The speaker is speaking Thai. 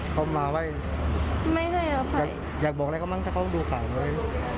เค้ามาไว้อยากบอกอะไรก็มั้งถ้าเค้าดูขาดเว้ย